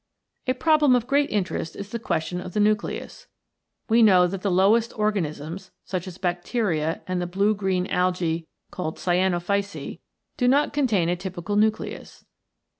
A problem of great interest is the question of the nucleus. We know that the lowest organ isms, such as Bacteria and the blue green algae called Cyanophyceae, do not contain a typical nucleus.